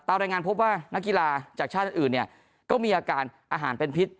รายงานพบว่านักกีฬาจากชาติอื่นเนี่ยก็มีอาการอาหารเป็นพิษ